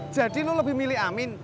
jadi lu lebih milih amin